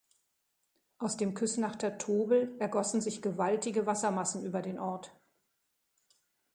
Aus dem Küsnachter Tobel ergossen sich gewaltige Wassermassen über den Ort.